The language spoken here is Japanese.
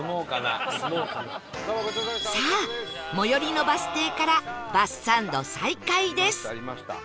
さあ最寄りのバス停からバスサンド再開です